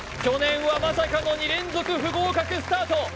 去年はまさかの２連続不合格スタート